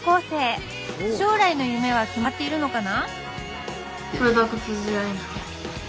将来の夢は決まっているのかな？